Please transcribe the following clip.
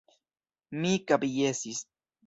Mi kapjesis.